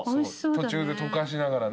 途中で溶かしながらね。